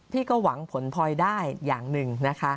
พี่ก็หวังผลพลอยได้อย่างหนึ่งนะคะ